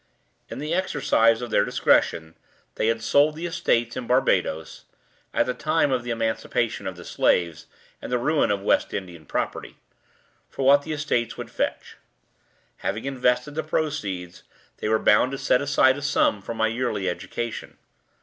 In the exercise of their discretion, they had sold the estates in Barbadoes (at the time of the emancipation of the slaves, and the ruin of West Indian property) for what the estates would fetch. Having invested the proceeds, they were bound to set aside a sum for my yearly education.